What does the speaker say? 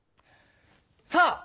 さあ